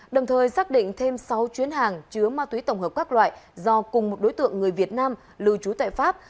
đồng thời xác định thêm sáu chuyến hàng chứa ma túy tổng hợp các loại do cùng một đối tượng người việt nam lưu trú tại pháp